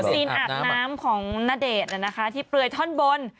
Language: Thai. สีอาดน้ำของณเดชน์นี่นะคะที่เปลื่อยท่อนบน